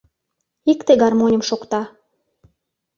Икте гармоньым шокта.